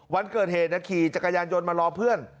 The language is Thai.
วันเกิดเหตุขี่จักรยานยนต์มารอเพื่อน